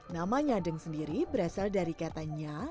nama nyadeng sendiri berasal dari katanya